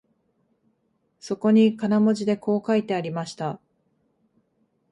そこに金文字でこう書いてありました